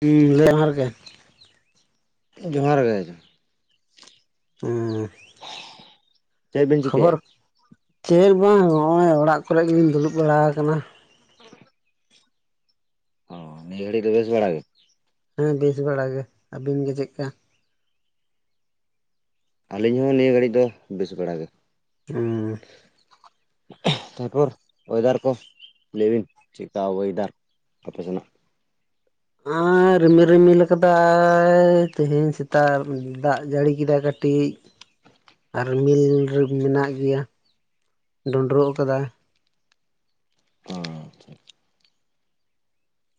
ᱦᱩᱸ ᱡᱚᱦᱟᱨ ᱜᱮ ᱡᱚᱦᱟᱨ ᱜᱮ ᱚᱸ ᱪᱮᱫ ᱵᱤᱱ ᱠᱷᱚᱵᱚᱨ ᱪᱤᱠᱟᱹᱭᱮᱫᱼᱟ? ᱪᱮᱫ ᱵᱟᱝ ᱦᱚᱜ-ᱚᱭ ᱚᱲᱟᱜ ᱠᱚᱨᱮ ᱜᱮᱞᱤᱧ ᱫᱩᱲᱩᱵ ᱵᱟᱲᱟ ᱟᱠᱟᱱᱟ ᱾ ᱚ ᱱᱤᱭᱳ ᱜᱷᱟᱲᱤ ᱫᱚ ᱵᱮᱥ ᱵᱟᱲᱟ ᱜᱮ ᱦᱮᱸ ᱵᱮᱥ ᱵᱟᱲᱟ ᱜᱮ ᱟᱹᱵᱤᱱ ᱜᱮ ᱪᱮᱫᱞᱮᱠᱟ ᱟᱹᱞᱤᱧ ᱦᱚᱸ ᱱᱤᱭᱟᱹ ᱜᱷᱟᱹᱲᱤᱡ ᱫᱚ ᱵᱮᱥ ᱵᱟᱲᱟ ᱜᱮ ᱚᱸ ᱛᱟᱨᱯᱚᱨ ᱚᱭᱮᱫᱟᱨ ᱠᱚ ᱞᱟᱹᱭ ᱵᱤᱱ ᱪᱮᱫ ᱠᱟ ᱚᱭᱮᱫᱟᱨ ᱟᱯᱮ ᱥᱮᱱᱟᱜ ᱟᱸ ᱟᱨ ᱨᱤᱢᱤᱞ ᱨᱤᱢᱤᱞ ᱠᱟᱫᱟᱭ ᱛᱮᱦᱮᱸᱧ ᱥᱮᱛᱟᱜ ᱫᱟᱜ ᱡᱟᱹᱲᱤ ᱠᱮᱫᱟ ᱠᱟᱹᱴᱤᱡ [inaudible] ᱟᱨ ᱢᱤᱞ ᱨᱮ ᱢᱮᱱᱟᱜ ᱜᱮᱭᱟ ᱰᱚᱸᱰᱨᱚᱜ ᱟᱠᱟᱫᱟᱭ ᱟᱪᱷᱷᱟ ᱾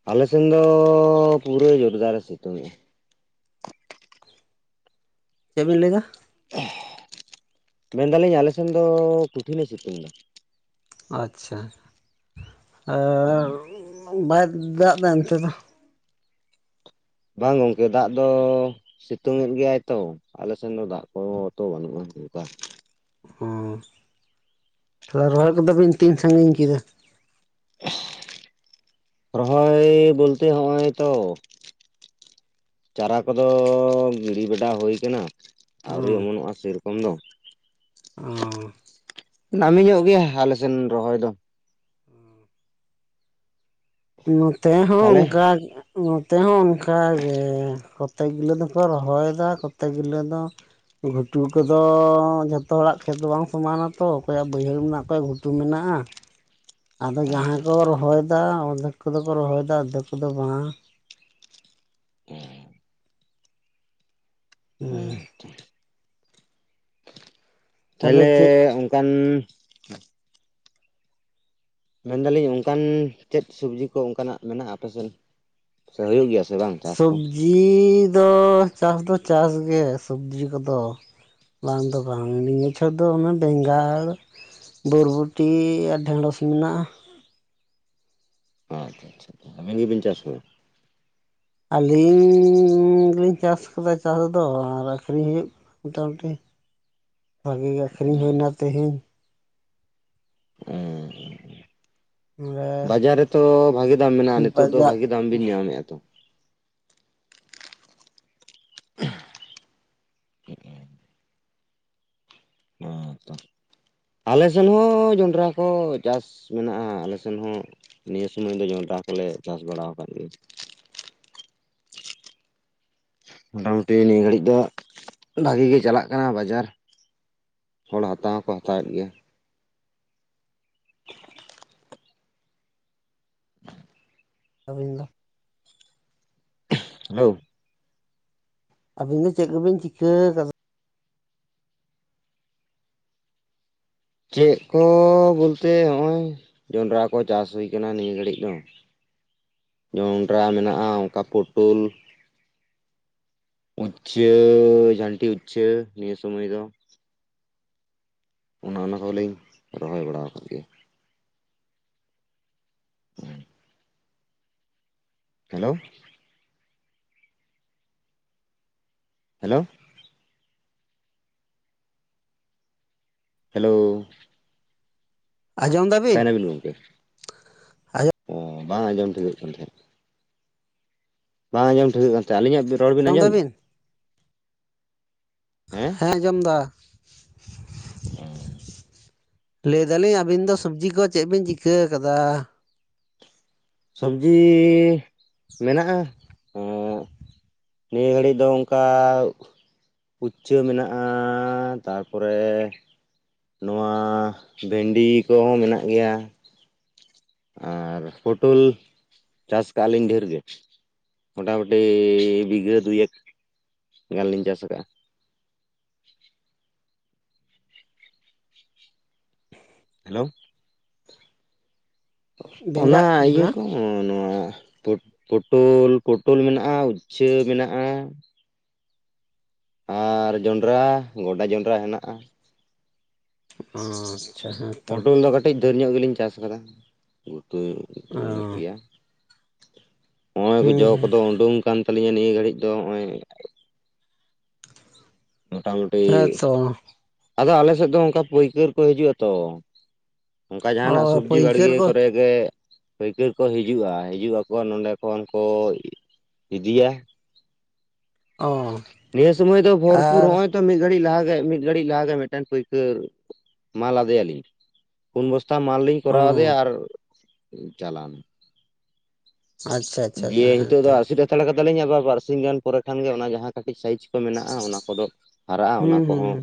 ᱟᱞᱮ ᱥᱮᱱ ᱫᱚ ᱯᱩᱨᱟᱹ ᱡᱳᱨᱫᱟᱨᱮ ᱥᱤᱛᱩᱝ ᱮ-ᱟ᱾ ᱪᱮᱫ ᱵᱮᱤᱱ ᱞᱟᱹᱭᱮᱫᱟ ᱾ ᱢᱮᱱᱫᱟᱞᱤᱧ ᱟᱞᱮ ᱥᱮᱱ ᱫᱚ ᱠᱩᱴᱷᱤ ᱮ ᱥᱤᱛᱩᱝ ᱫᱟ ᱾ ᱟᱪᱷᱟ ᱵᱟᱭ ᱫᱟᱜ ᱮᱫᱟ ᱚᱱᱛᱮ ᱫᱚ ᱵᱟᱝ ᱜᱚᱝᱠᱮ ᱫᱟᱜ ᱫᱚ ᱥᱤᱛᱩᱝ ᱮᱫ ᱜᱮᱭᱟᱭ ᱛᱚ ᱟᱞᱮ ᱥᱮᱱ ᱫᱚ ᱫᱟᱜ ᱠᱚ ᱛᱚ ᱵᱟᱹᱱᱩᱜ-ᱟ ᱚᱱᱠᱟ ᱚ ᱛᱟᱦᱚᱞᱮ ᱨᱚᱦᱚᱭ ᱠᱚᱫᱚ ᱵᱤᱱ ᱛᱤᱱ ᱥᱟᱺᱜᱤᱧ ᱠᱮᱫᱟ ᱨᱚᱦᱚᱭ ᱵᱚᱞᱛᱮ ᱦᱚᱸᱜ-ᱚᱭ ᱛᱚ ᱪᱟᱨᱟ ᱠᱚᱫᱚ ᱜᱤᱨᱤ ᱵᱮᱰᱟ ᱦᱩᱭ ᱠᱟᱱᱟ ᱚ ᱟᱹᱣᱨᱤ ᱚᱢᱚᱱᱚᱜ-ᱟ ᱥᱮᱨᱚᱠᱚᱢ ᱫᱚ ᱚᱸᱻᱻ ᱱᱟᱢᱤ ᱧᱚᱜ ᱜᱮᱭᱟ ᱦᱟᱞᱮᱥᱱ ᱨᱚᱦᱚᱭ ᱫᱚ ᱱᱚᱛᱮ ᱦᱚᱸ ᱛᱟᱦᱚᱞᱮ ᱚᱱᱠᱟ ᱱᱚᱛᱮ ᱦᱚᱸ ᱚᱱᱠᱟᱜᱮ ᱠᱚᱛᱮᱠ ᱜᱩᱞᱟᱹ ᱫᱚᱠᱚ ᱨᱚᱦᱚᱭᱮᱫᱟ ᱠᱚᱛᱮᱠ ᱜᱩᱞᱟᱹ ᱫᱚ ᱜᱷᱩᱴᱩ ᱠᱚᱫᱚ ᱡᱷᱚᱛᱚ ᱦᱚᱲᱟᱜ ᱠᱷᱮᱛ ᱵᱟᱝ ᱥᱚᱢᱟᱱᱟᱛᱚ ᱚᱠᱚᱭᱟᱜ ᱵᱟᱹᱭᱦᱟᱹᱲ ᱢᱮᱱᱟᱜ ᱚᱠᱚ ᱜᱷᱩᱴᱩ ᱢᱮᱱᱟᱜ-ᱟ ᱟᱫᱚ ᱟᱪᱪᱷᱟ ᱡᱟᱦᱟᱸᱭ ᱠᱚ ᱟᱪᱪᱷᱟ ᱨᱚᱦᱚᱭ ᱫᱟ ᱚᱫᱷᱮᱠ ᱠᱚᱫᱚ ᱠᱚ ᱨᱚᱦᱚᱭ ᱫᱟ ᱟᱫᱷᱮᱠ ᱠᱚᱫᱚ ᱵᱟᱝ ᱦᱩᱸ ᱦᱮᱸᱛᱚ ᱛᱟᱦᱚᱞᱮ ᱚᱱᱠᱟᱱ ᱢᱮᱱᱫᱟᱞᱤᱧ ᱚᱱᱠᱟᱱ ᱪᱮᱫ ᱥᱚᱵᱡᱤ ᱠᱚ ᱚᱱᱠᱟᱱᱟᱜ ᱢᱮᱱᱟᱜ-ᱟ ᱟᱯᱮᱥᱮᱫ ᱥᱮ ᱦᱩᱭᱩᱜ ᱜᱮᱭᱟ ᱥᱮ ᱵᱟᱝ ᱪᱟᱥ ᱠᱚ ᱡᱤᱫ ᱫᱚ ᱪᱟᱥᱫᱚ ᱪᱟᱥᱜᱮ ᱥᱚᱵᱽᱡᱤ ᱠᱚᱫᱚ ᱵᱟᱝ ᱫᱚ ᱵᱟᱝ ᱱᱤᱭᱟᱹ ᱪᱷᱚᱨ ᱫᱚ ᱚᱱᱟ ᱵᱮᱸᱜᱟᱲ ᱵᱚᱨᱵᱚᱴᱤ ᱟᱨ ᱰᱷᱮᱸᱲᱚᱥ ᱢᱮᱱᱟᱜ-ᱟ ᱾ ᱟᱪᱪᱷᱟ ᱟᱪᱷᱟ ᱟᱵᱮᱱ ᱜᱮᱵᱤᱱ ᱪᱟᱥ ᱮ-ᱟ ᱾ ᱟᱹᱞᱤᱧ ᱜᱮᱞᱤᱧ ᱪᱟᱥ ᱟᱠᱟᱫᱟ ᱪᱟᱥ ᱫᱚ ᱟᱨ ᱟᱹᱠᱷᱨᱤᱧ ᱦᱩᱭᱩᱜ ᱢᱚᱴᱟᱢᱩᱴᱤ ᱵᱷᱟᱜᱤ ᱜᱮ ᱟᱠᱷᱨᱤᱧ ᱦᱩᱭᱱᱟ ᱛᱮᱦᱤᱧ ᱦᱮᱸ ᱵᱟᱡᱟᱨ ᱨᱮᱛᱚ ᱵᱷᱟᱜᱤ ᱫᱟᱢ ᱢᱮᱱᱟᱜ-ᱟ ᱱᱤᱛᱚᱜ ᱫᱚ ᱵᱟᱡᱟᱨ ᱵᱷᱟᱜᱤ ᱫᱟᱢ ᱵᱤᱱ ᱧᱟᱢᱮᱫ-ᱟ ᱛᱚ [unintelligible] ᱦᱚᱸ ᱛᱚ ᱟᱞᱮ ᱥᱮᱱ ᱦᱚᱸ ᱡᱚᱱᱰᱨᱟ ᱠᱚ ᱪᱟᱥ ᱢᱮᱱᱟᱜ-ᱟ ᱟᱞᱮᱥᱮᱱ ᱦᱚᱸ ᱱᱤᱭᱟᱹ ᱥᱩᱚᱢᱚᱭ ᱫᱚ ᱡᱚᱱᱰᱨᱟ ᱠᱚᱞᱮ ᱪᱟᱥ ᱵᱟᱲᱟ ᱟᱠᱟᱫ ᱜᱮ ᱢᱚᱴᱟᱢᱩᱴᱤ ᱱᱤᱭᱟᱹ ᱜᱷᱟᱹᱲᱤᱡᱽ ᱫᱚ ᱵᱷᱟᱜᱮ ᱜᱮ ᱪᱟᱞᱟᱜ ᱠᱟᱱᱟ ᱵᱟᱡᱟᱨ ᱦᱚᱲ ᱦᱟᱛᱟᱣ ᱦᱚᱸᱠᱚ ᱦᱟᱛᱟᱣᱮᱫ ᱜᱮᱭᱟ ᱟᱹᱵᱤᱱ ᱫᱚ ᱦᱟᱣ ᱟᱵᱤᱱ ᱫᱚ ᱪᱮᱫ ᱠᱚᱵᱤᱱ ᱪᱤᱠᱟᱹ ᱟᱠᱟᱫᱟ ᱪᱮᱫ ᱠᱚ ᱵᱚᱞᱛᱮ ᱱᱚᱜᱼᱚᱭ ᱡᱚᱱᱰᱨᱟ ᱠᱚ ᱪᱟᱥ ᱦᱩᱭ ᱠᱟᱱᱟ ᱱᱤᱭᱟᱹ ᱜᱷᱟᱹᱲᱤᱡ ᱫᱚ ᱡᱚᱱᱰᱨᱟ ᱢᱮᱱᱟᱜᱼᱟ ᱚᱱᱠᱟ ᱯᱳᱴᱳᱞ ᱩᱪᱪᱷᱟᱹ ᱡᱷᱟᱱᱴᱤ ᱩᱪᱪᱷᱟᱹ ᱱᱤᱭᱟ ᱥᱩᱢᱟᱹᱭ ᱫᱚ ᱚᱱᱟ ᱚᱱᱟ ᱠᱚᱦᱚᱸᱞᱤᱧ ᱨᱚᱦᱚᱭ ᱵᱟᱲᱟ ᱠᱟᱫ ᱜᱮᱭᱟ ᱦᱮᱞᱳ ᱦᱮᱞᱳ ᱦᱮᱞᱳᱣ ᱟᱸᱡᱚᱢ ᱚᱠᱟᱭ ᱫᱟᱵᱤᱱ ᱱᱟᱵᱤᱱ ᱜᱚᱢᱠᱮ ᱟᱸᱡᱚᱢ ᱚ ᱵᱟᱝ ᱟᱸᱡᱚᱢ ᱴᱷᱤᱠᱟᱹᱜ ᱠᱟᱱ ᱛᱟᱦᱮᱸᱫ ᱵᱟᱝ ᱟᱸᱡᱚᱢ ᱴᱷᱟᱹᱣᱠᱟ ᱠᱟᱱ ᱛᱟᱦᱮᱸ ᱟᱹᱞᱤᱧᱟᱜ ᱨᱚᱲ ᱵᱤᱱ ᱡᱚᱢ ᱟᱸᱡᱚᱢ ᱮᱫᱟ ᱫᱟᱵᱤᱱ ᱦᱮᱸ ᱟᱸᱡᱚᱢ ᱫᱟ ᱚ ᱻᱻ ᱞᱟᱹᱭ ᱫᱟᱞᱤᱧ ᱟᱹᱵᱤᱱ ᱫᱚ ᱥᱚᱵᱽᱡᱤ ᱠᱚ ᱪᱮᱫ ᱵᱤᱱ ᱪᱤᱠᱟᱹ ᱟᱠᱟᱫᱟ ᱥᱚᱵᱡᱤᱻ ᱢᱮᱱᱟᱜᱼᱟ ᱦᱮᱸᱻ ᱱᱤᱭᱟᱹ ᱜᱷᱟᱹᱲᱤᱡ ᱫᱚ ᱚᱱᱠᱟᱣ ᱩᱪᱪᱷᱟᱹ ᱢᱮᱱᱟᱜᱼᱟ ᱛᱟᱯᱚᱨᱮ ᱱᱚᱣᱟ ᱵᱷᱮᱱᱰᱤ ᱠᱚ ᱦᱚᱸ ᱢᱮᱱᱟᱜ ᱜᱮᱭᱟ ᱟᱨ ᱯᱳᱴᱳᱞ ᱪᱟᱥ ᱠᱟᱜᱼᱟ ᱞᱤᱧ ᱰᱷᱮᱨ ᱜᱮ ᱢᱳᱴᱟᱢᱩᱴᱤ ᱵᱤᱜᱷᱟᱹ ᱫᱩᱭ ᱮᱠ ᱜᱟᱱ ᱞᱤᱧ ᱪᱟᱥ ᱠᱟᱜᱼᱟ ᱦᱮᱞᱳ ᱚᱱᱟ ᱵᱮᱸᱜᱟᱲ ᱤᱭᱟᱹ ᱦᱮᱸ ᱠᱚ ᱦᱚᱸᱜ-ᱚ ᱱᱚᱣᱟ ᱯᱳ ᱯᱳᱴᱳᱞ ᱯᱳᱴᱳᱞ ᱢᱮᱱᱟᱜᱼᱟ ᱩᱪᱪᱷᱟᱹ ᱢᱮᱱᱟᱜᱼᱟ ᱟᱨ ᱡᱚᱸᱰᱨᱟ ᱜᱚᱰᱟ ᱡᱚᱸᱰᱨᱟ ᱦᱮᱱᱟᱜᱼᱟ [inaudible] ᱦᱮᱸᱛᱚ ᱯᱚᱴᱳᱞ ᱫᱚ ᱠᱟᱹᱴᱤᱡ ᱰᱷᱮᱨ ᱧᱚᱜ ᱜᱮᱞᱤᱧ ᱪᱟᱥ ᱠᱟᱫᱟ ᱩᱛᱩ ᱚ [inaudible] ᱱᱚᱜᱼᱚᱭ ᱦᱩᱸ ᱡᱚ ᱦᱩᱸ ᱠᱚᱫᱚ ᱳᱰᱳᱝ ᱠᱟᱱ ᱛᱟᱹᱞᱤᱧᱟ ᱱᱤᱭᱟᱹ ᱜᱷᱟᱹᱲᱤᱡ ᱫᱚ ᱦᱚᱸᱜᱼᱚᱭ ᱢᱚᱴᱟᱢᱩᱴᱤ ᱦᱮᱸᱛᱚ ᱟᱫᱚ ᱟᱞᱮ ᱥᱮᱫ ᱫᱚ ᱚᱱᱠᱟ ᱯᱟᱹᱭᱠᱟᱹᱨ ᱠᱚ ᱦᱤᱡᱩᱜ-ᱟ ᱛᱚ ᱚᱱᱠᱟ ᱚ ᱡᱟᱸᱦᱟᱱᱟᱜ ᱥᱚᱵᱡᱤ ᱯᱟᱹᱭᱠᱟᱹᱨ ᱵᱟᱲᱜᱮ ᱠᱚ ᱠᱚᱨᱮ ᱜᱮ ᱯᱟᱹᱭᱠᱟᱹᱨ ᱠᱚ ᱦᱤᱡᱩᱜᱼᱟ ᱦᱤᱡᱩᱜ ᱟᱠᱚ ᱱᱚᱸᱰᱮ ᱠᱷᱚᱱ ᱠᱚ ᱤᱫ ᱤᱫᱤᱭᱟ ᱚ ᱱᱤᱭᱟ ᱥᱩᱢᱟᱹᱭ ᱫᱚ ᱵᱷᱚᱨ ᱟᱨ ᱛᱚ ᱢᱤᱫ ᱜᱷᱟᱹᱲᱤᱡ ᱞᱟᱦᱟ ᱜᱮ ᱢᱤᱫ ᱜᱷᱟᱹᱲᱤᱡ ᱞᱟᱦᱟ ᱜᱮ ᱢᱤᱫᱴᱟᱱ ᱯᱟᱹᱭᱠᱟᱹᱨ ᱢᱟᱞ ᱟᱫᱮᱭᱟᱞᱤᱧ ᱯᱩᱱ ᱵᱚᱥᱛᱟ ᱢᱟᱞ ᱞᱤᱧ ᱚ ᱠᱚᱨᱟᱣ ᱟᱫᱮᱭᱟ ᱟᱨ ᱪᱟᱞᱟᱣᱱᱟ ᱟᱪᱪᱷᱟ ᱟᱪᱪᱷᱟ ᱫᱤᱭᱮ ᱦᱮᱸ ᱦᱤᱛᱳᱜ ᱫᱚ ᱛᱚ ᱟᱹᱥᱤᱛ ᱦᱟᱛᱟᱲ ᱠᱟᱫᱟᱞᱤᱧ ᱟᱵᱟᱨ ᱵᱟᱨᱥᱤᱧ ᱜᱟᱱ ᱯᱚᱨᱮ ᱠᱷᱟᱱ ᱜᱮ ᱚᱱᱟ ᱡᱟᱦᱟᱸ ᱠᱟᱹᱴᱤᱡ ᱥᱟᱭᱤᱡ ᱢᱮᱱᱟᱜᱼᱟ ᱚᱱᱟ ᱠᱚᱫᱚ ᱦᱟᱨᱟᱜᱼᱟ ᱚᱱᱟ ᱦᱩᱸ ᱠᱚᱦᱚᱸ ᱦᱩᱸ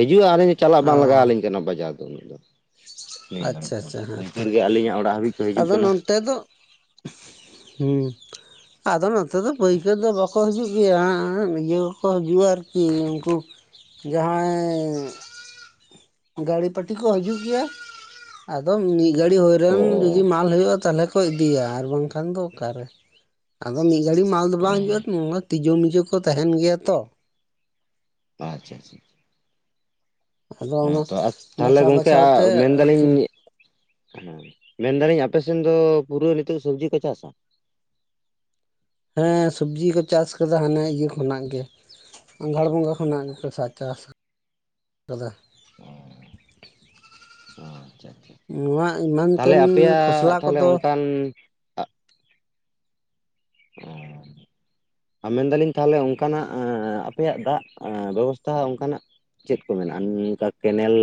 ᱦᱤᱡᱩᱜᱼᱟ ᱟᱹᱞᱤᱧ ᱪᱟᱞᱟᱜ ᱚ ᱵᱟᱝ ᱞᱟᱜᱟᱣ ᱟᱹᱞᱤᱧ ᱠᱟᱱᱟ ᱵᱟᱡᱟᱨ ᱟᱪᱪᱷᱟ ᱟᱪᱪᱷᱟ [inaudible] ᱯᱟᱹᱭᱠᱟᱹᱨᱜᱮ ᱟᱹᱞᱤᱧᱟᱜ ᱚᱲᱟᱜ ᱦᱟᱹᱵᱤᱡ ᱠᱚ ᱦᱤᱡᱩᱜ ᱠᱟᱱᱟ ᱛᱮ ᱫᱚ ᱦᱩᱸ ᱟᱫᱚ ᱱᱚᱛᱮ ᱫᱚ ᱯᱟᱹᱭᱠᱟᱹᱨ ᱫᱚ ᱵᱟᱠᱚ ᱦᱤᱡᱩᱜ [inaudible] ᱤᱭᱟᱹ ᱠᱚ ᱦᱤᱡᱩᱜᱼᱟ ᱟᱨᱠᱤ ᱩᱱᱠᱩ ᱡᱟᱦᱟᱸᱭ ᱜᱟᱹᱲᱤ ᱯᱟᱴᱤ ᱠᱚ ᱦᱤᱡᱩᱜ ᱜᱮᱭᱟ ᱟᱫᱚ ᱢᱤᱫ ᱜᱷᱟᱹᱲᱤ ᱦᱳᱭ ᱨᱮ ᱚ ᱚ ᱚ ᱡᱩᱫᱤ ᱢᱟᱞ ᱦᱩᱭᱩᱜᱼᱟ ᱛᱟᱞᱦᱮ ᱠᱚ ᱤᱫᱤᱭᱟ ᱟᱨ ᱵᱟᱝᱠᱷᱟᱱ ᱫᱚ ᱚᱠᱟᱨᱮ ᱟᱫᱚ ᱢᱤᱫ ᱜᱟᱲᱤ ᱢᱟᱞ ᱫᱚ ᱵᱟᱝ ᱦᱤᱡᱩᱜᱼᱟ ᱱᱚᱣᱟ ᱛᱤᱡᱩ ᱢᱤᱡᱩ ᱠᱚ ᱛᱟᱦᱮᱱ ᱜᱮᱭᱟ ᱛᱚ ᱟᱪᱪᱷᱟ ᱟᱪᱪᱷᱟ ᱟᱫᱚ ᱦᱮᱸ ᱚᱱᱟ ᱛᱚ ᱟᱨ ᱛᱟᱦᱞᱮ ᱵᱟᱪᱷᱟᱣ ᱜᱚᱝᱠᱮ ᱟ ᱵᱟᱪᱷᱟᱣ ᱛᱮ ᱢᱮᱱᱫᱟᱞᱤᱧ ᱟᱹᱠᱷᱤᱨ ᱦᱮᱸ ᱢᱮᱱᱫᱟᱞᱤᱧ ᱟᱯᱮ ᱥᱮᱱ ᱫᱚ ᱯᱩᱨᱟᱹ ᱱᱤᱛᱚᱜ ᱥᱚᱵᱽᱡᱤ ᱠᱚ ᱪᱟᱥᱟ? ᱦᱮᱸ ᱥᱚᱵᱽᱡᱤ ᱠᱚ ᱪᱟᱥ ᱠᱟᱫᱟ ᱦᱟᱱᱮ ᱤᱭᱟᱹ ᱠᱷᱚᱱᱟᱜ ᱜᱮ᱾ ᱟᱸᱜᱷᱟᱬ ᱵᱚᱸᱜᱟ ᱠᱷᱚᱱᱟᱜ ᱜᱮ [unintelligible] ᱪᱟᱥ ᱠᱟᱫᱟ᱾ [unintelligible] ᱚ ᱟᱪᱪᱷᱟ ᱟᱪᱪᱷᱟ᱾ ᱱᱚᱣᱟ ᱮᱢᱟᱱ ᱛᱟᱦᱞᱮ ᱛᱮᱱ ᱟᱯᱮᱭᱟᱜ ᱠᱷᱚᱥᱞᱟ ᱛᱟᱦᱞᱮ ᱠᱚᱫᱚ ᱚᱝᱠᱟᱱ ᱚᱸᱻ ᱟ ᱢᱮᱱᱫᱟᱞᱤᱧ ᱛᱟᱦᱚᱞᱮ ᱚᱱᱠᱟᱱᱟᱜ ᱟᱯᱮᱭᱟᱜ ᱫᱟᱜ ᱵᱮᱵᱚᱥᱛᱟ ᱚᱱᱠᱟᱱᱟᱜ ᱪᱮᱫ ᱠᱚ ᱢᱮᱱᱟᱜ-ᱟ ᱚᱱᱠᱟ ᱠᱮᱱᱮᱞ?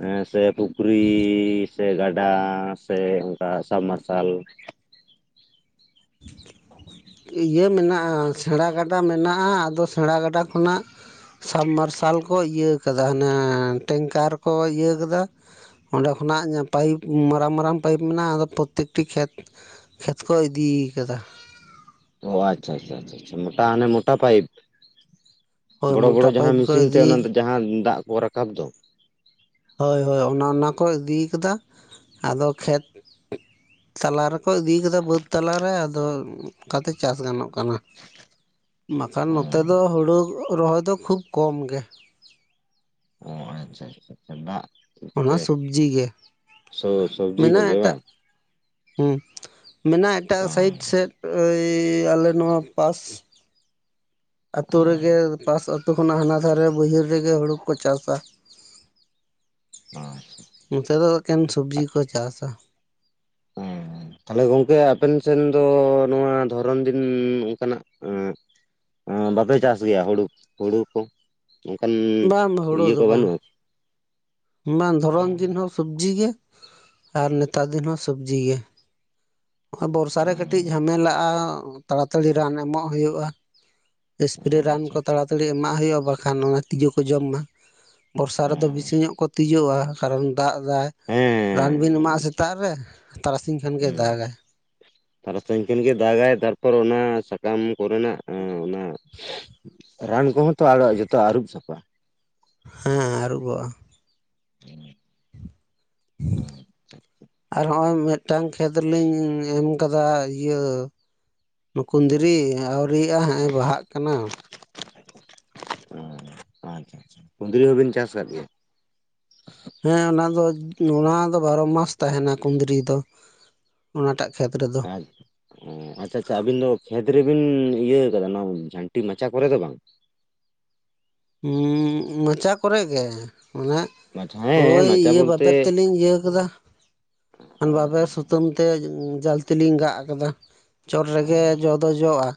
ᱦᱮᱸ ᱥᱮ ᱯᱩᱠᱷᱨᱤ ᱥᱮ ᱜᱟᱰᱟ ᱥᱮ ᱚᱱᱠᱟ ᱥᱟᱢᱟᱨᱥᱟᱞ? ᱤᱭᱟᱹ ᱢᱮᱱᱟᱜᱼᱟ, ᱥᱮᱬᱟ ᱜᱟᱰᱟ ᱢᱮᱱᱟᱜᱼᱟ ᱟᱫᱚ ᱥᱮᱬᱟ ᱜᱟᱰᱟ ᱠᱷᱚᱱᱟᱜ ᱥᱟᱵᱽᱢᱟᱨᱥᱟᱞ ᱠᱚ ᱤᱭᱟᱹ ᱠᱟᱫᱟ ᱦᱟᱱᱮ ᱴᱮᱝᱠᱟᱨ ᱠᱚ ᱤᱭᱟᱹ ᱠᱟᱫᱟ᱾ ᱚᱸᱰᱮ ᱠᱷᱚᱱᱟᱜ ᱯᱟᱭᱤᱯ ᱢᱟᱨᱟᱝ ᱢᱟᱨᱟᱝ ᱯᱟᱭᱤᱯ ᱢᱮᱱᱟᱜᱼᱟ ᱟᱫᱚ ᱯᱨᱚᱛᱮᱠᱴᱤ ᱠᱷᱮᱛ ᱠᱷᱮᱛ ᱠᱚ ᱤᱫᱤ ᱠᱟᱫᱟ᱾ ᱚ ᱟᱪᱪᱷᱟ ᱟᱪᱪᱷᱟ ᱟᱪᱪᱷᱟ ᱢᱚᱴᱟ ᱦᱟᱱᱮ ᱢᱚᱴᱟ ᱯᱟᱭᱤᱯ᱾ ᱦᱳᱭ ᱵᱚᱲᱚ ᱵᱚᱲᱚ ᱢᱚᱴᱟ ᱡᱟᱦᱟᱸ ᱯᱟᱭᱤᱯ ᱢᱤᱥᱤᱱ ᱠᱚ ᱛᱮ ᱚᱱᱟ ᱤᱫᱤ ᱡᱟᱦᱟᱸ ᱫᱟᱜ ᱠᱚ ᱨᱟᱠᱟᱵ ᱫᱚ᱾ ᱦᱳᱭ ᱦᱳᱭ ᱚᱱᱟ ᱚᱱᱟ ᱠᱚ ᱤᱫᱤ ᱠᱟᱫᱟ ᱟᱫᱚ ᱠᱷᱮᱛ ᱛᱟᱞᱟ ᱨᱮᱠᱚ ᱤᱫᱤ ᱠᱟᱫᱟ ᱵᱟᱹᱫᱽ ᱛᱟᱞᱟᱨᱮ ᱟᱫᱚ ᱚᱱᱠᱟᱛᱮ ᱪᱟᱥ ᱜᱟᱱᱚᱜ ᱠᱟᱱᱟ, ᱵᱟᱠᱷᱟᱱ ᱱᱚᱛᱮ ᱫᱚ ᱦᱩᱲᱩ ᱨᱚᱦᱚᱭ ᱫᱚ ᱠᱷᱩᱵ ᱠᱚᱢ ᱜᱮ᱾ ᱚᱻ ᱟᱪᱪᱷᱟ ᱟᱪᱪᱷᱟ ᱟᱪᱪᱷᱟ ᱫᱟᱜ ᱚᱱᱟ ᱥᱮ ᱥᱚᱵᱽᱡᱤ ᱜᱮ ᱥᱚ [inaudible] ᱥᱚᱵᱽᱡᱤ ᱢᱮᱱᱟᱜ ᱠᱚᱜᱮ ᱮᱴᱟᱜ ᱵᱟᱝ ᱦᱩᱸ ᱢᱮᱱᱟᱜ ᱮᱴᱟᱜ ᱚ ᱥᱟᱭᱤᱰ ᱥᱮᱫ ᱳᱭ ᱟᱞᱮ ᱱᱚᱣᱟ ᱯᱟᱥ᱾ ᱟᱹᱛᱩ ᱨᱮᱜᱮ ᱚ ᱯᱟᱥ ᱟᱹᱛᱩ ᱠᱷᱚᱱᱟᱜ ᱦᱟᱱᱟ ᱫᱷᱟᱨᱮ ᱵᱟᱹᱭᱦᱟᱹᱲ ᱨᱮᱜᱮ ᱦᱩᱲᱩ ᱠᱚ ᱪᱟᱥᱼᱟ᱾ [inaudible] ᱟᱪᱪᱷᱟ [inaudible] ᱱᱚᱛᱮ ᱫᱚ ᱮᱠᱷᱮᱱ ᱥᱚᱵᱽᱡᱤ ᱠᱚ ᱪᱟᱥᱼᱟ᱾ ᱛᱟᱦᱚᱞᱮ ᱜᱚᱝᱠᱮ ᱟᱯᱮᱱ ᱥᱮᱱ ᱫᱚ ᱱᱚᱣᱟ ᱫᱷᱚᱨᱚᱱ ᱫᱤᱱ ᱚᱱᱠᱟᱱᱟᱜ [unintelligible] [unintelligible] ᱵᱟᱯᱮ ᱪᱟᱥ ᱜᱮᱭᱟ ᱦᱩᱲᱩ ᱦᱩᱲᱩ ᱠᱚ ᱚᱱᱠᱟᱱ ᱵᱟᱝ ᱤᱭᱟᱹ ᱦᱩᱲᱩ ᱫᱚ ᱠᱚ ᱵᱟᱝ ᱵᱟᱹᱱᱩᱜᱼᱟ᱾ ᱵᱟᱝ ᱫᱷᱚᱨᱚᱱ ᱫᱤᱱ ᱦᱚᱸ ᱥᱚᱵᱽᱡᱤ ᱜᱮ᱾ ᱟᱨ ᱱᱮᱛᱟᱨ ᱫᱤᱱ ᱦᱚᱸ ᱥᱚᱵᱽᱡᱤ ᱜᱮ᱾ ᱵᱚᱨᱥᱟᱨ ᱨᱮ ᱠᱟᱹᱴᱤᱡ ᱡᱷᱟᱢᱮᱞᱟᱜᱼᱟ ᱛᱟᱲᱟᱛᱟᱲᱤ ᱨᱟᱱ ᱮᱢᱚᱜ ᱦᱩᱭᱩᱜ-ᱟ ᱥᱯᱨᱮ ᱨᱟᱱ ᱟᱪᱪᱷᱟ ᱠᱚ ᱛᱟᱲᱟ ᱛᱟᱲᱤ ᱮᱢᱟᱜ ᱦᱩᱭᱩᱜᱼᱟ ᱵᱟᱠᱷᱟᱱ ᱚᱱᱟ ᱛᱤᱡᱩ ᱠᱚ ᱡᱚᱢ ᱢᱟ [inaudible] ᱵᱚᱨᱥᱟ ᱨᱮᱫᱚ ᱵᱮᱥᱤ ᱧᱚᱜ ᱠᱚ ᱛᱤᱡᱚᱜᱼᱟ ᱠᱟᱨᱚᱱ ᱫᱟᱜ ᱫᱟᱭ ᱨᱟᱱ ᱵᱤᱱ ᱦᱮᱸ ᱮᱢᱟᱜᱼᱟ ᱥᱮᱛᱟᱜ ᱨᱮ ᱛᱟᱨᱟᱥᱤᱧ ᱠᱷᱟᱱ ᱜᱮ ᱦᱮᱸ ᱫᱟᱜᱟᱭ᱾ ᱛᱟᱨᱟᱥᱤᱧ ᱠᱷᱮᱱ ᱜᱮ ᱫᱟᱜᱟᱭ ᱛᱟᱨᱯᱚᱨ ᱚᱱᱟ ᱥᱟᱠᱟᱢ ᱠᱚᱨᱮᱱᱟᱜ ᱚ [inaudible] ᱨᱟᱱ ᱠᱚᱦᱚᱸ ᱛᱚ [unintelligible] ᱡᱚᱛᱚ ᱟᱹᱨᱩᱵ ᱥᱟᱯᱷᱟᱜ ᱦᱮᱸ ᱟᱹᱨᱩᱵᱚᱜᱼᱟ᱾ [inaudible] ᱟᱨ ᱦᱚᱸᱜᱼᱚᱭ ᱢᱤᱫᱴᱟᱝ ᱠᱷᱮᱛ ᱞᱤᱧ ᱮᱢ ᱠᱟᱫᱟ ᱤᱭᱟᱹ ᱠᱩᱫᱽᱨᱤ ᱟᱹᱣᱨᱤᱭᱟᱜ-ᱟ ᱦᱟᱸᱜ ᱮ ᱵᱟᱦᱟᱜ ᱠᱟᱱᱟ [inaudible] ᱦᱩᱸ ᱟᱪᱪᱷᱟ ᱟᱪᱪᱷᱟ ᱠᱩᱸᱫᱽᱨᱤ ᱦᱚᱸᱵᱤᱱ ᱪᱟᱥ ᱟᱠᱟᱫ ᱜᱮᱭᱟ? ᱦᱮᱸ ᱚᱱᱟ ᱫᱚ ᱚᱱᱟ ᱫᱚ ᱵᱟᱨᱚ ᱢᱟᱥ ᱛᱟᱦᱮᱱᱟ ᱠᱩᱸᱫᱽᱨᱤ ᱫᱚ᱾ ᱚᱱᱟᱴᱟᱜ ᱠᱷᱮᱛ ᱨᱮᱫᱚ ᱟᱡ ᱚ ᱟᱪᱪᱷᱟ ᱟᱪᱪᱷᱟ ᱟᱵᱤᱱ ᱫᱚ ᱠᱷᱮᱛ ᱨᱮᱵᱤᱱ ᱤᱭᱟᱹ ᱟᱠᱟᱫᱟ ᱱᱚᱣᱟ ᱡᱷᱟᱱᱴᱤ ᱢᱟᱪᱟ ᱠᱚᱨᱮ ᱫᱚ ᱵᱟᱝ᱾ ᱦᱩᱸ ᱢᱚᱪᱟ ᱠᱚᱨᱮ ᱜᱮ ᱢᱟᱪᱷᱟ [unintelligible] ᱦᱮᱸ ᱳᱭ ᱢᱟᱪᱟ ᱤᱭᱟᱹ ᱵᱟᱵᱮᱨ ᱵᱚᱞᱛᱮ ᱛᱮᱞᱤᱧ ᱤᱭᱟᱹ ᱠᱟᱫᱟ᱾ ᱚ ᱵᱟᱵᱮᱨ ᱥᱩᱛᱟᱹᱢ ᱛᱮ ᱡᱚᱞᱛᱤᱞᱤᱧ ᱜᱟᱜ ᱟᱠᱟᱫᱟ ᱪᱚᱴ ᱚ ᱨᱮᱜᱮ ᱡᱚ ᱫᱚ ᱡᱚᱜᱼᱟ᱾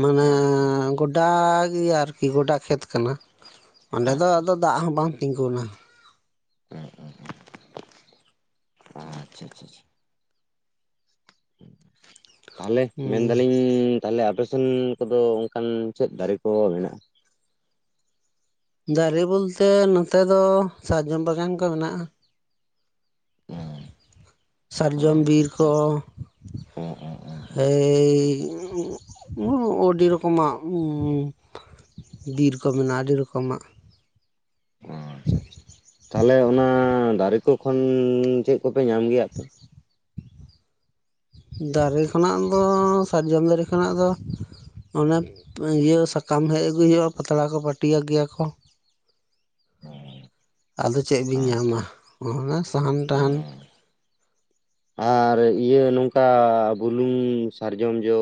ᱢᱟᱱᱮ ᱟᱪᱪᱷᱟ ᱟᱪᱪᱷᱟ ᱜᱚᱰᱟ ᱜᱮ ᱟᱨᱠᱤ ᱜᱚᱰᱟ ᱠᱷᱮᱛ ᱠᱟᱱᱟ᱾ ᱚᱸᱰᱮ ᱫᱚ ᱟᱫᱚ ᱟᱪᱪᱷᱟ ᱫᱟᱜ ᱦᱚᱸ ᱵᱟᱝ ᱛᱤᱸᱜᱩᱱᱟ᱾ ᱩᱸᱻᱩᱸ [inaudible] ᱟᱪᱪᱷᱟ ᱟᱪᱪᱷᱟ ᱪᱷᱟ ᱛᱟᱦᱚᱞᱮ ᱦᱩᱸ ᱢᱮᱱᱫᱟᱞᱤᱧ ᱛᱟᱦᱚᱞᱮ ᱟᱯᱮᱥᱮᱱ ᱠᱚᱫᱚ ᱚᱱᱠᱟᱱ ᱪᱮᱫ ᱫᱟᱨᱮ ᱠᱚ ᱢᱮᱱᱟᱜᱼᱟ ᱫᱟᱨᱮ ᱵᱚᱞᱛᱮ ᱱᱚᱛᱮ ᱫᱚ ᱥᱟᱨᱡᱚᱢ ᱵᱟᱜᱟᱱ ᱠᱚ ᱢᱮᱱᱟᱜᱼᱟ᱾ ᱚ ᱥᱟᱨᱡᱚᱢ ᱟᱪᱪᱷᱟ ᱵᱤᱨ ᱠᱚ ᱟᱪᱪᱷᱟ [unintelligible] ᱮᱭ [unintelligible] ᱟᱹᱰᱤ ᱨᱚᱠᱚᱢᱟᱜ ᱵᱤᱨ ᱠᱚ ᱢᱮᱱᱟᱜᱼᱟ ᱟᱹᱰᱤ ᱨᱚᱠᱚᱢᱟᱜ ᱚ ᱟᱪᱪᱷᱟ ᱟᱪᱪᱷᱟ ᱛᱟᱦᱚᱞᱮ ᱚᱱᱟ ᱫᱟᱨᱮ ᱠᱚ ᱠᱷᱚᱱ ᱪᱮᱫ ᱠᱚᱯᱮ ᱧᱟᱢ ᱜᱮᱭᱟᱯᱮ ᱫᱟᱨᱮ ᱠᱷᱚᱱᱟᱜ ᱫᱚ ᱥᱟᱨᱡᱚᱢ ᱫᱟᱨᱮ ᱠᱷᱚᱱᱟᱜ ᱫᱚ ᱚᱱᱮ ᱤᱭᱟᱹ ᱥᱟᱠᱟᱢ ᱦᱮᱡ ᱟᱹᱜᱩᱭ ᱦᱩᱭᱩᱜᱼᱟ ᱯᱟᱛᱲᱟ ᱠᱚ ᱯᱟᱹᱴᱤᱭᱟ ᱜᱮᱭᱟ ᱠᱚ [inaudible] ᱟᱫᱚ ᱪᱮᱫ ᱵᱤᱱ ᱧᱟᱢᱟ ᱟᱪᱪᱷᱟ ᱚᱱᱟ ᱥᱟᱦᱟᱱ ᱴᱟᱦᱟᱱ ᱚ [inaudible] ᱟᱨ ᱤᱭᱟᱹ ᱱᱚᱝᱠᱟ ᱵᱩᱞᱩᱝ ᱥᱟᱨᱡᱚᱢ ᱡᱚ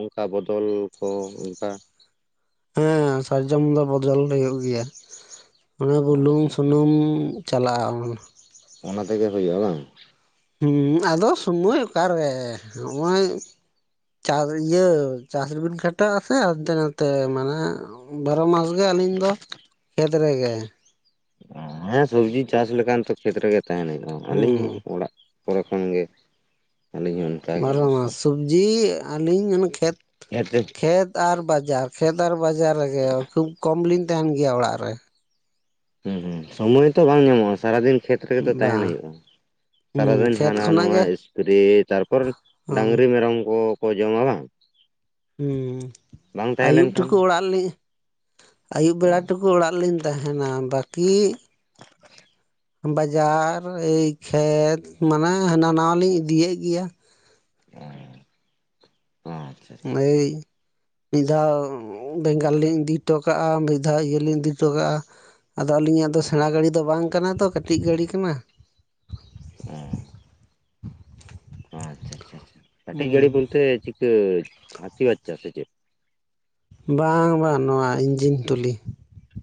ᱚᱱᱠᱟ ᱵᱚᱫᱚᱞ- -ᱠᱚ ᱚᱱᱠᱟ ᱦᱮᱸ ᱥᱟᱨᱡᱚᱢᱚᱱ ᱫᱚ ᱵᱚᱫᱚᱞ ᱦᱩᱭᱩᱜ ᱜᱮᱭᱟ ᱚᱱᱮ ᱵᱩᱞᱩᱝ ᱟᱪᱪᱷᱟ ᱟᱪᱪᱷᱟ ᱥᱩᱱᱩᱢ ᱪᱟᱞᱟᱜᱼᱟ ᱩᱱ [inaudible] ᱚᱱᱟ ᱛᱮᱜᱮ ᱦᱩᱭᱩᱜᱳᱼᱟ ᱵᱟᱝ ᱦᱮᱸ ᱟᱫᱚ ᱥᱚᱢᱚᱭ ᱚᱠᱟᱨᱮ ᱦᱚᱜᱼᱚᱭ -ᱪᱟᱥ ᱤᱭᱟᱹ ᱪᱟᱥ ᱨᱮᱵᱤᱱ ᱠᱷᱟᱴᱟᱜᱼᱟ ᱥᱮ ᱦᱟᱱᱛᱮ ᱱᱟᱛᱮ ᱢᱟᱱᱮ- ᱵᱟᱨᱚ ᱢᱟᱥ ᱜᱮ ᱟᱹᱞᱤᱧ ᱫᱚ ᱠᱷᱮᱛ ᱨᱮᱜᱮ᱾ ᱦᱮᱸ ᱥᱚᱵᱽᱡᱤ ᱪᱟᱥ ᱞᱮᱠᱟᱱ ᱛᱚ ᱠᱷᱮᱛᱨᱮᱜᱮ ᱛᱟᱦᱮᱱ ᱦᱩᱭᱩᱜᱼᱟ ᱦᱩᱸ ᱟᱹᱞᱤᱧ ᱦᱚᱸ ᱚᱲᱟᱜ ᱯᱚᱨᱮ ᱠᱷᱚᱱ ᱜᱮ ᱟᱹᱞᱤᱧ ᱦᱚᱸ ᱚᱱᱠᱟ ᱜᱮ ᱵᱟᱨᱳ ᱚᱵᱚᱥᱥᱚ ᱢᱟᱥ ᱥᱚᱵᱡᱤ ᱟᱹᱞᱤᱧ ᱚᱱᱮ ᱠᱷᱮᱛ ᱦᱮᱸᱛᱚ ᱠᱷᱮᱛ ᱠᱷᱮᱛ ᱟᱨ ᱵᱟᱡᱟᱨ ᱠᱷᱮᱛ ᱟᱨ ᱵᱟᱡᱟᱨ ᱨᱮᱜᱮ ᱠᱷᱩᱵ ᱠᱚᱢ ᱞᱤᱧ ᱛᱟᱦᱮᱱ ᱜᱮᱭᱟ ᱚᱲᱟᱜ ᱨᱮ ᱦᱩᱸ ᱦᱩᱸ ᱥᱚᱢᱚᱭ ᱛᱚ ᱵᱟᱝ ᱧᱟᱢᱚᱜᱼᱟ ᱥᱟᱨᱟᱫᱤᱱ ᱠᱷᱮᱛ ᱨᱮᱜᱮ ᱛᱚ ᱛᱟᱦᱮᱱ ᱵᱟᱝ ᱦᱩᱭᱩᱜᱼᱟ᱾ ᱦᱩᱸ ᱥᱟᱨᱟᱫᱤᱱ ᱠᱷᱮᱛ ᱦᱟᱱᱟ ᱠᱷᱚᱱᱟᱜ ᱱᱚᱣᱟ ᱜᱮ ᱮᱯᱨᱮ ᱛᱟᱨᱯᱚᱨ ᱦᱚᱸ ᱰᱟᱝᱨᱤ ᱢᱮᱨᱚᱢ ᱠᱚ ᱠᱚ ᱡᱚᱢᱟ ᱵᱟᱝ ᱦᱮᱸ ᱵᱟᱝ ᱛᱟᱦᱮᱸ ᱟᱹᱭᱩᱵ ᱞᱮᱱᱠᱷᱟᱱ ᱴᱩᱠᱩ ᱚᱲᱟᱜ ᱞᱤ- ᱟᱹᱭᱩᱵ ᱵᱮᱲᱟ ᱴᱩᱠᱩ ᱚᱲᱟᱜ ᱨᱮᱞᱤᱧ ᱛᱟᱦᱮᱱᱟ ᱵᱟᱹᱠᱤ- [inaudible] ᱵᱟᱡᱟᱨ ᱮᱭ ᱠᱷᱮᱛ ᱢᱟᱱᱮ ᱦᱟᱱᱟ ᱱᱟᱣᱟ ᱞᱤᱧ ᱤᱫᱤᱭᱮᱫ ᱜᱮᱭᱟ ᱚ ᱟᱪᱪᱷᱟ ᱦᱭ ᱟᱪᱪᱷᱟ [inaudible] ᱢᱤᱫ ᱫᱷᱟᱣ ᱵᱮᱝᱜᱟᱞ ᱞᱤᱧ ᱤᱫᱤ ᱦᱚᱴᱚ ᱠᱟᱜᱼᱟ ᱢᱤᱫ ᱫᱷᱟᱣ ᱤᱭᱟᱹ ᱞᱤᱧ ᱤᱫᱤ ᱦᱚᱴᱚ ᱠᱟᱜᱼᱟ᱾ ᱟᱫᱚ ᱟᱹᱞᱤᱧᱟᱜ ᱫᱚ ᱥᱮᱬᱟ ᱜᱟᱹᱰᱤ ᱫᱚ ᱵᱟᱝ ᱠᱟᱱᱟ ᱛᱚ ᱠᱟᱹᱴᱤᱡ ᱜᱟᱹᱰᱤ ᱠᱟᱱᱟ ᱚ ᱟᱪᱪᱷᱟ ᱪᱪᱪᱷᱟ ᱠᱟᱹᱴᱤᱡ ᱜᱟᱹᱲᱤ ᱦᱩᱸ ᱵᱚᱞᱛᱮ ᱪᱤᱠᱟᱹ ᱦᱟᱹᱛᱤ ᱵᱟᱪᱪᱟ ᱥᱮ ᱪᱮᱫ ᱵᱟᱝ ᱵᱟᱝ ᱱᱚᱣᱟ ᱤᱧᱡᱤᱱ ᱴᱩᱞᱤ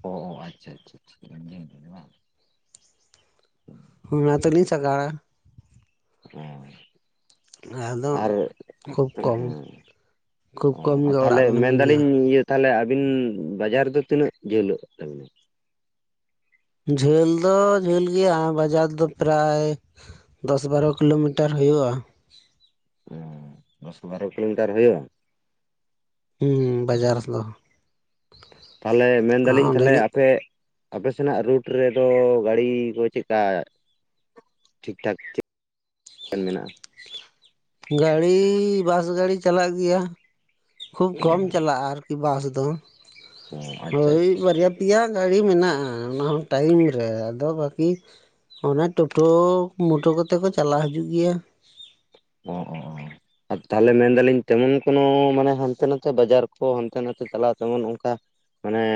ᱚ ᱟᱪᱪᱷᱟ ᱟᱪᱷᱟ ᱚᱱᱟ ᱛᱮᱞᱤᱧ ᱥᱟᱜᱟᱲᱟ ᱦᱮᱸ ᱟᱫᱚ ᱟᱨ ᱠᱷᱩᱵ ᱠᱚᱢ ᱦᱮᱸ ᱠᱷᱩᱵ ᱠᱚᱢ ᱚ ᱜᱮ ᱛᱟᱦᱚᱞᱮ ᱚᱲᱟᱜ ᱞᱤᱧᱟ ᱢᱮᱱᱫᱟᱞᱤᱧ ᱤᱭᱟᱹ- ᱛᱟᱦᱚᱞᱮ ᱟᱵᱤᱱ ᱵᱟᱡᱟᱨᱫᱚ ᱛᱤᱱᱟᱹᱜ ᱡᱷᱟᱹᱞᱚᱜ ᱛᱟᱵᱤᱱᱟ ᱡᱷᱟᱹᱞ ᱫᱚ ᱡᱷᱟᱹᱞ ᱜᱮᱭᱟ ᱵᱟᱡᱟᱨ ᱫᱚ ᱯᱨᱟᱭ- ᱫᱚᱥ ᱵᱟᱨᱚ ᱠᱤᱞᱳᱢᱤᱴᱟᱨ ᱦᱩᱭᱩᱜᱼᱟ᱾ ᱚ ᱫᱚᱥ ᱵᱟᱨᱚ ᱠᱤᱞᱳᱢᱤᱴᱟᱨ ᱦᱩᱭᱩᱜᱼᱟ ᱦᱩᱸ ᱵᱟᱡᱟᱨ ᱫᱚ ᱛᱟᱦᱚᱞᱮ ᱢᱮᱱ ᱫᱟᱞᱤᱧ ᱛᱟᱦᱞᱮ ᱚᱸᱰᱮᱞᱤᱧ ᱟᱯᱮ- -ᱟᱯᱮ ᱥᱮᱱᱟᱜ ᱨᱩᱴ ᱨᱮᱫᱚ ᱜᱟᱹᱲᱤ ᱠᱚ ᱪᱮᱫᱠᱟ ᱴᱷᱤᱠᱴᱷᱟᱠ [inaudible] ᱢᱮᱱᱟᱜᱼᱟ ᱜᱟᱹᱲᱤ ᱵᱟᱥ ᱜᱟᱹᱲᱤ ᱪᱟᱞᱟᱜ ᱜᱮᱭᱟ, ᱠᱷᱩᱵ ᱠᱚᱢ ᱪᱟᱞᱟᱜᱼᱟ ᱟᱨ ᱵᱟᱥ ᱫᱚ ᱚ ᱟᱪᱪᱷᱟ ᱦᱳᱭ ᱟᱪᱪᱷᱟ ᱵᱟᱹᱨᱭᱟ ᱯᱮᱭᱟ ᱜᱟᱹᱲᱰᱤ ᱢᱮᱱᱟᱜᱼᱟ ᱚᱱᱟ ᱦᱚᱸ ᱴᱟᱭᱤᱢ ᱨᱮ, ᱟᱫᱚ ᱵᱟᱹᱠᱤ ᱚᱱᱮ ᱴᱳᱴᱳ ᱢᱚᱴᱳ ᱠᱚᱛᱮ ᱠᱚ ᱪᱟᱞᱟᱣ ᱦᱤᱡᱩᱜ ᱜᱮᱭᱟ᱾ ᱚᱻ ᱛᱟᱦᱚᱞᱮ ᱢᱮᱱᱫᱟᱞᱤᱧ ᱛᱮᱢᱚᱱ ᱠᱳᱱᱳ ᱢᱟᱱᱮ ᱦᱟᱱᱛᱮ ᱱᱟᱛᱮ ᱵᱟᱡᱟᱨ ᱠᱚ ᱦᱟᱱᱛᱮ ᱱᱟᱛᱮ ᱪᱟᱞᱟᱣ ᱛᱮᱢᱚᱱ ᱚᱱᱠᱟ ᱢᱟᱱᱮᱻ